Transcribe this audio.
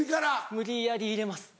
無理やり入れます。